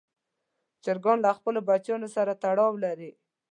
چرګان له خپلو بچیانو سره تړاو لري.